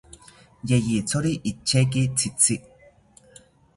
Yeyithori icheki tzitzi